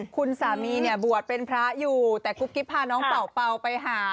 คุณสามีเนี่ยบวชเป็นพระอยู่แต่กุ๊กกิ๊บพาน้องเป่าเป่าไปหา